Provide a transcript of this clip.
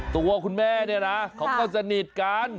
ตัวคุณแม่เนี่ยนะเขาก็สนิทกัน